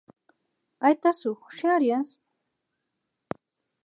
ایا تاسو هوښیار یاست؟